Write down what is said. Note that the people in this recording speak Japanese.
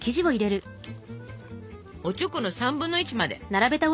おちょこの３分の１まで。